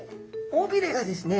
尾びれがですね